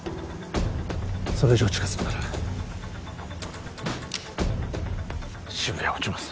それ以上近づくなら渋谷を撃ちます